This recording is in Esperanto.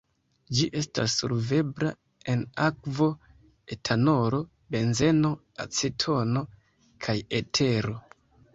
Ĝi estas solvebla en akvo, etanolo, benzeno, acetono kaj etero.